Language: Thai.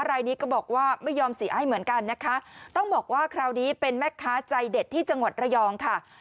รายนี้ก็บอกว่าไม่ยอมเสียให้เหมือนกันนะคะต้องบอกว่าคราวนี้เป็นแม่ค้าใจเด็ดที่จังหวัดระยองค่ะ